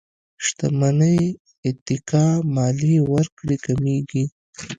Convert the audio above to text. شتمنۍ اتکا ماليې ورکړې کمېږي.